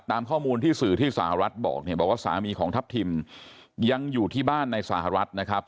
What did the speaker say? ตามข้อมูลที่สื่อที่สหรัฐบอกเนี่ยบอกว่าสามีของทัพทิมยังอยู่ที่บ้านในสหรัฐนะครับ